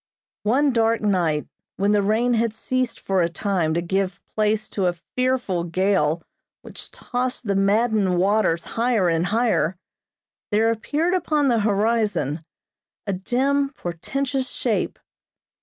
One dark night, when the rain had ceased for a time to give place to a fearful gale which tossed the maddened waters higher and higher, there appeared upon the horizon a dim, portentous shape.